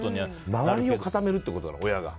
周りを固めるってことかな親が。